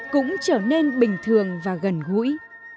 cũng trở nên bình thường và gần gũi